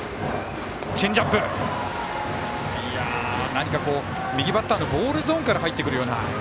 何か右バッターのボールゾーンから入ってくるような。